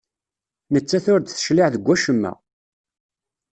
Nettat ur d-teclig deg wacemma.